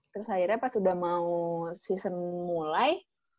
terus akhirnya pas udah mau season mulai